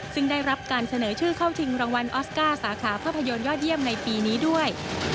ซึ่งได้รับการเสนอชื่อเข้าชิงรางวัลออสการ์สาขาภาพยนตร์ยอดเยี่ยมในปีนี้ด้วย